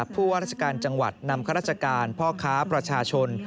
ผู้ว่าราชการจังหวัดนำข้าราชการพ่อค้าประชาชน